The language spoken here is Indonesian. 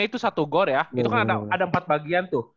itu satu gor ya itu kan ada empat bagian tuh